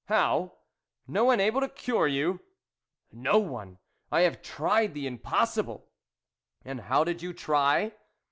" How ! No one able to cure you ?"" No one ; I have tried the impossible." " And how did you try